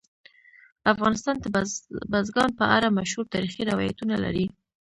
افغانستان د بزګان په اړه مشهور تاریخی روایتونه لري.